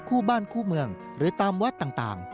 คู่บ้านคู่เมืองหรือตามวัดต่าง